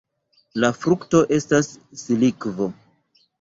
La frukto estas silikvo.